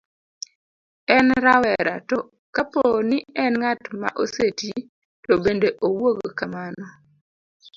en rawera, to kapo ni en ng'at ma oseti to bende owuog kamano